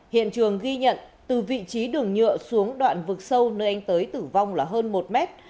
hiện trường ghi nhận từ vị trí đường nhựa xuống đoạn vực sâu nơi anh tới tử vong là hơn một mét